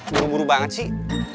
buru buru banget sih